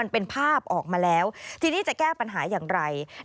เป็นภาพออกมาแล้วทีนี้จะแก้ปัญหาอย่างไร